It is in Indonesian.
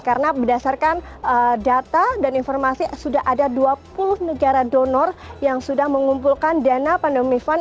karena berdasarkan data dan informasi sudah ada dua puluh negara donor yang sudah mengumpulkan dana pandemic fund